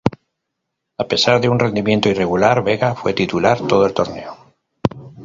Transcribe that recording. A pesar de un rendimiento irregular, Vega fue titular todo el torneo.